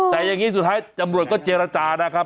แต่อย่างนี้สุดท้ายจำรวจก็เจรจานะครับ